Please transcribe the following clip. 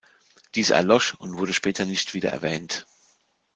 Diese erlosch und wurde später nicht wieder erwähnt.